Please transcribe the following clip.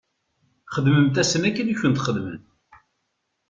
Xdmemt-asen akken i kent-xedmen.